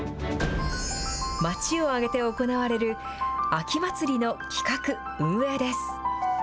町を挙げて行われる秋祭りの企画・運営です。